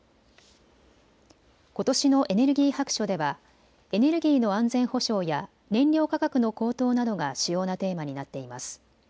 ことしのエネルギー白書ではエネルギーの安全保障や燃料価格の高騰などが主要なテーマになっています。